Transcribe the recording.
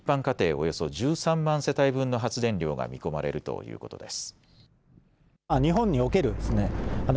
およそ１３万世帯分の発電量が見込まれるということです。